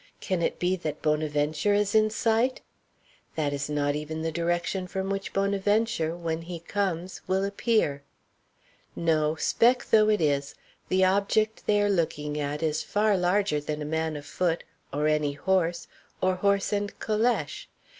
Can it be that Bonaventure is in sight? That is not even the direction from which Bonaventure, when he comes, will appear. No, speck though it is, the object they are looking at is far larger than a man afoot, or any horse, or horse and calèche.